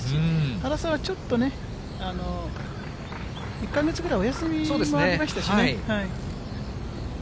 原さんはちょっとね、１か月ぐらいお休みもありましたしね。